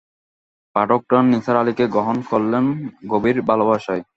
পাঠকরা নিসার আলিকে গ্রহণ করলেন গভীর ভালবাসায়।